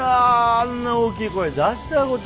あんな大きい声出したことない。